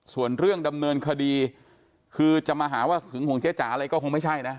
ส่วนเรื่องดำเนินคดีคือจะมาหาว่าหึงห่วงเจ๊จ๋าอะไรก็คงไม่ใช่นะ